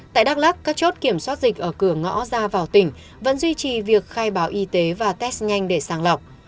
tại đắk lắc các chốt kiểm soát dịch ở cửa ngõ ra vào tỉnh vẫn duy trì việc khai báo y tế và test nhanh để sàng lọc